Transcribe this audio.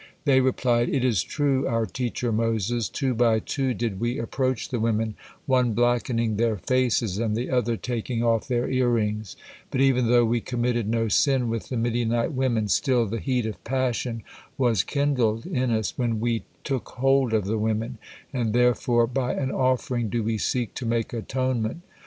They replied: "It is true, our teacher Moses, two by two did we approach the women, one blackening their faces, and the other taking off their ear rings, but even though we committed no sin with the Midianite women, still the heat of passion was kindled in us when we took hold of the women, and therefore by an offering do we seek to make atonement."